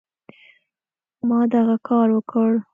ما دغه کار وکړ.